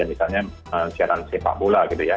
misalnya siaran sepak bola gitu ya